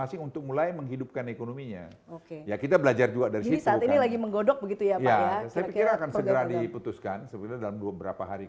itu sangat luas sekali